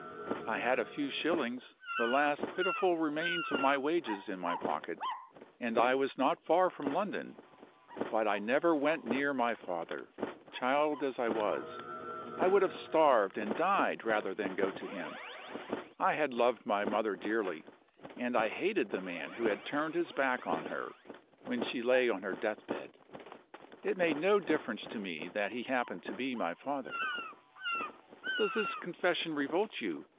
I had a few shillings, the last pitiful remains of my wages, in my pocket; and I was not far from London. But I never went near my father: child as I was, I would have starved and died rather than go to him. I had loved my mother dearly; and I hated the man who had turned his back on her when she lay on her deathbed. It made no difference to Me that he happened to be my father. "Does this confession revolt you?